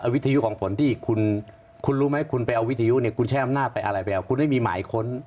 วิ่งราวทรัพย์